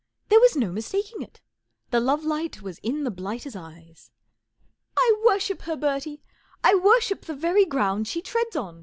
There was no mistaking it. The love light was in the blighter's eyes. 44 I worship her, Bertie ! I worship the very ground she treads on !